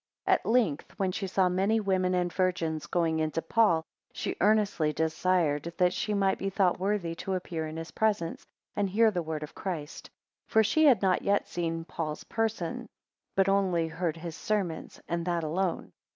4 At length, when she saw many women and virgins going into Paul, she earnestly desired that she might be thought worthy to appear in his presence, and hear the word of Christ; for she had not yet seen Paul's person, but only heard his sermons, and that alone.